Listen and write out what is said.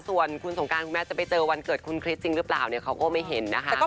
ส่วนคุณสงการคุณแม่จะไปเจอวันเกิดคุณคริสจริงหรือเปล่าเนี่ยเขาก็ไม่เห็นนะคะ